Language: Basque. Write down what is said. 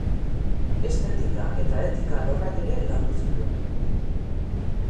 Estetika eta etika alorrak ere landu zituen.